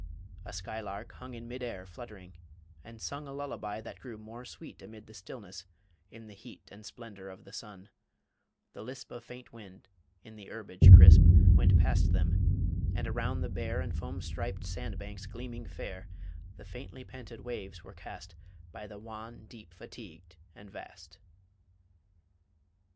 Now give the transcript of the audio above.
A skylark hung In mid air flutt'ring, and sung A lullaby that grew more sweet Amid the stillness, in the heat And splendour of the sun: the lisp Of faint wind in the herbage crisp Went past them; and around the bare And foam striped sand banks gleaming fair, The faintly panting waves were cast By the wan deep fatigued and vast.